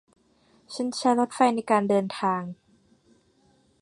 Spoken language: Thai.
ฉันใช้รถไฟในการเดินทาง